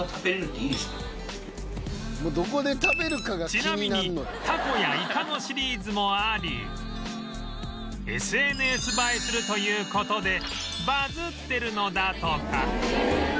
ちなみにタコやイカのシリーズもあり ＳＮＳ 映えするという事でバズってるのだとか